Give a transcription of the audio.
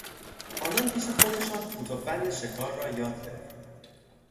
آنان پیش خودشان فوت و فن شکار را یاد گرفتند.